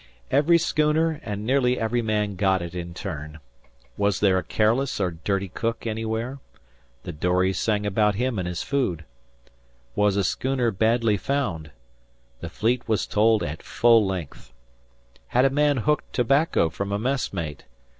Every schooner and nearly every man got it in turn. Was there a careless or dirty cook anywhere? The dories sang about him and his food. Was a schooner badly found? The Fleet was told at full length. Had a man hooked tobacco from a mess mate?